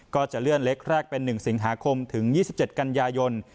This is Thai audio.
ก็จะเลื่อนเล็กแรกเป็น๑สิงหาคมถึง๒๗กันยายน